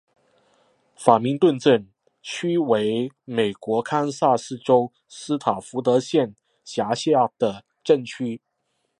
法明顿镇区为美国堪萨斯州斯塔福德县辖下的镇区。